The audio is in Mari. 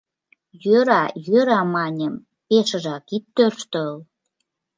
— Йӧра, йӧра, — маньым, — пешыжак ит тӧрштыл.